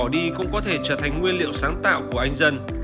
đi cũng có thể trở thành nguyên liệu sáng tạo của anh dân